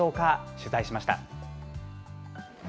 取材しました。